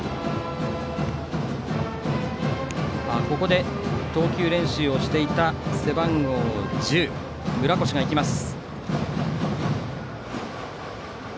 ここで投球練習をしていた背番号１０、村越が行きます。